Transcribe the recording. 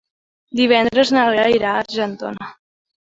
Divendres na Lea irà a Argentona.